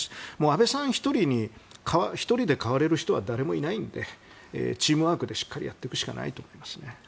安倍さん１人に代われる人は誰もいないのでチームワークでしっかりとやっていくしかないですね。